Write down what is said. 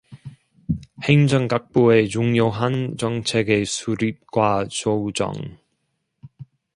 행정각부의 중요한 정책의 수립과 조정